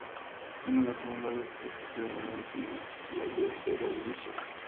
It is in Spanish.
Siendo la segunda vez que Suecia acababa última en el Festival de Eurovisión.